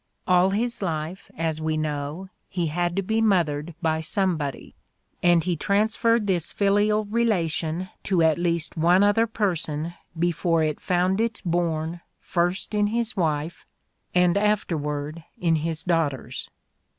All his life, as we know, he had to be mothered by somebody, and he transferred The Candidate for Gentility 105 this filial relation to at least one other person before it found its bourn first in his wife and afterward in his daughters.